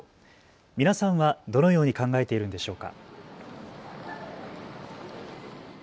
皆さんはどのように考えているんでしょうか。